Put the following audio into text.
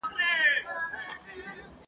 دلته نېستي ده وفا په یار کي..